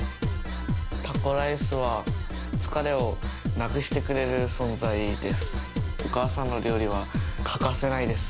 タコライスは疲れをなくしてくれる存在です。